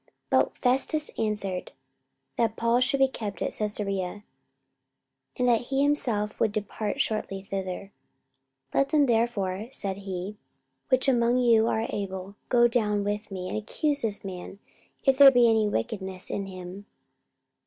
44:025:004 But Festus answered, that Paul should be kept at Caesarea, and that he himself would depart shortly thither. 44:025:005 Let them therefore, said he, which among you are able, go down with me, and accuse this man, if there be any wickedness in him.